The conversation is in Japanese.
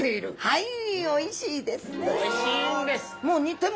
はい！